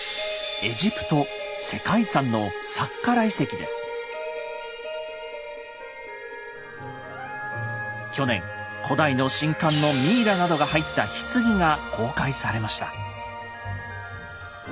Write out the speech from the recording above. エジプト世界遺産の去年古代の神官のミイラなどが入った棺が公開されました。